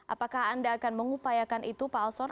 apakah anda akan mengupayakan itu pak alson